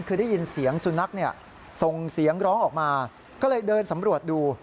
คือได้ยินเสียงสุนัขส่งเสียงร้องออกมาก็เลยเดินสำรวจดู